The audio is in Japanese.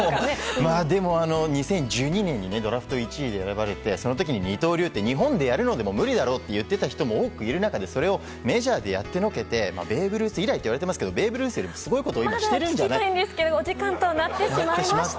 でも、２０１２年にドラフト１位で選ばれてその時、二刀流で日本でやるのも無理だろうって言ってた人も多くいる中でそれをメジャーでやってのけてベーブ・ルース以来といわれてますけどベーブ・ルースよりすごいことをまだ聞きたいんですがお時間となってしまいました。